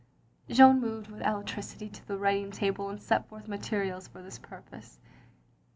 " Jeanne moved with alacrity to the writing table and set forth materials for this purpose.